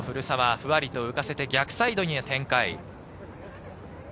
ふわりと浮かせて逆サイドに展開。